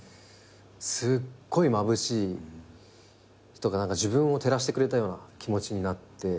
すっごいまぶしい人が自分を照らしてくれたような気持ちになって。